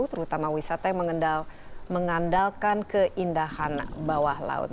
terutama wisata yang mengandalkan keindahan bawah laut